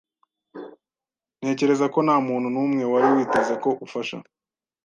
Ntekereza ko ntamuntu numwe wari witeze ko ufasha.